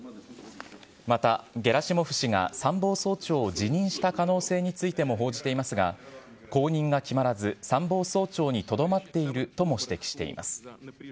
またゲラシモフ氏が参謀総長を辞任した可能性についても報じていますが、後任が決まらず参謀総長にとどまっているとも指摘しています。